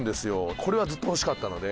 これはずっと欲しかったので。